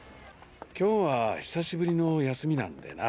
今日は久しぶりの休みなんでな。